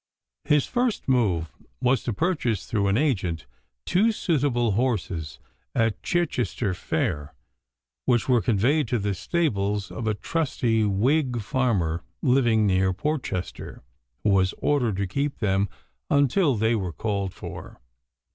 His first move was to purchase through an agent two suitable horses at Chichester fair, which were conveyed to the stables of a trusty Whig farmer living near Portchester, who was ordered to keep them until they were called for.